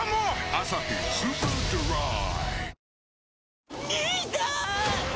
「アサヒスーパードライ」